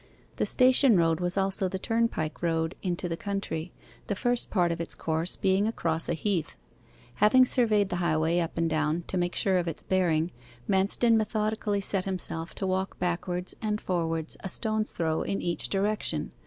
The station road was also the turnpike road into the country, the first part of its course being across a heath. Having surveyed the highway up and down to make sure of its bearing, Manston methodically set himself to walk backwards and forwards a stone's throw in each direction.